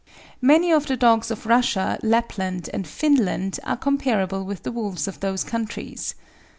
Many of the dogs of Russia, Lapland, and Finland are comparable with the wolves of those countries.